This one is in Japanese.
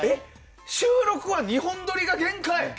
収録は２本撮りが限界。